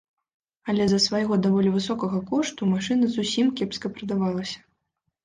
Але з-за свайго даволі высокага кошту машына зусім кепска прадавалася.